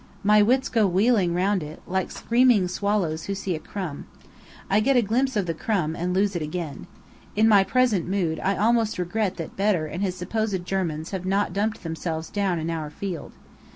My wits go wheeling round it, like screaming swallows who see a crumb. I get a glimpse of the crumb, and lose it again. In my present mood I almost regret that Bedr and his supposed Germans have not dumped themselves down in our field.